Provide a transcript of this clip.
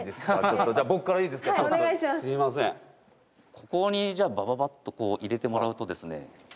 ここにじゃあバババッと入れてもらうとですね。